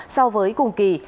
so với cùng kỳ